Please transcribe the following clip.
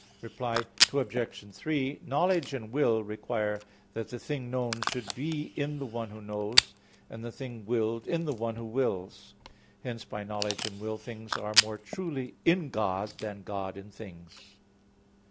Reply Obj. 3: Knowledge and will require that the thing known should be in the one who knows, and the thing willed in the one who wills. Hence by knowledge and will things are more truly in God than God in things.